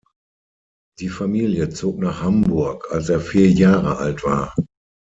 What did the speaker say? Die Familie zog nach Hamburg, als er vier Jahre alt war.